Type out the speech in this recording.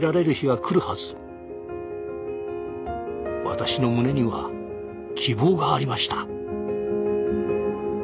私の胸には希望がありました。